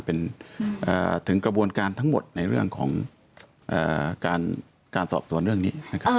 เป็นกระบวนการทั้งหมดในเรื่องของการสอบส่วนเรื่องนี่